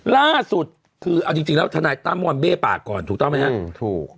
ล่าสุดคือเอาจริงแล้วทนายตั้มมอนเบ้ปากก่อนถูกต้องไหมฮะถูก